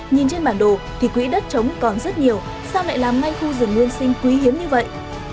nhìn trên bản đồ thì quỹ đất trống còn rất nhiều sao lại làm ngay khu rừng nguyên sinh quý hiếm như vậy